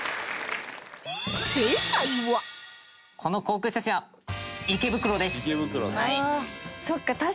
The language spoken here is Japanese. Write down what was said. この航空写真は池袋です。